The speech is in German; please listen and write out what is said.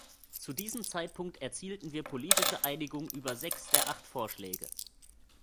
Zu diesem Zeitpunkt erzielten wir politische Einigungen über sechs der acht Vorschläge.